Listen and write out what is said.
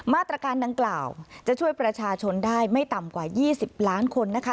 มาตรการดังกล่าวจะช่วยประชาชนได้ไม่ต่ำกว่า๒๐ล้านคนนะคะ